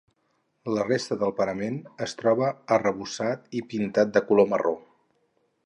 La resta del parament es troba arrebossat i pintat de color marró.